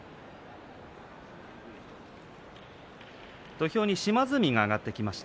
土俵に島津海が上がっています。